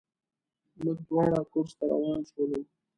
موږ دواړه کورس ته روان شولو.